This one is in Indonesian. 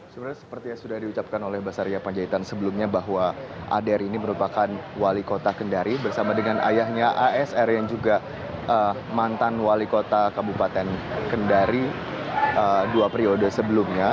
sebenarnya seperti yang sudah diucapkan oleh basaria panjaitan sebelumnya bahwa adr ini merupakan wali kota kendari bersama dengan ayahnya asr yang juga mantan wali kota kabupaten kendari dua periode sebelumnya